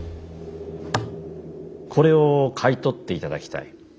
これを買い取っていただきたい。